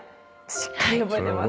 しっかり覚えてます。